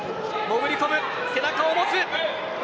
潜り込む、背中を持つ。